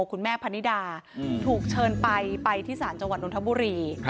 คุณแม่พนิดาถูกเชิญไปไปที่ศาลจังหวัดนทบุรี